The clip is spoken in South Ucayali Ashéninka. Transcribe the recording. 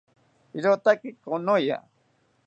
Irotaki konoya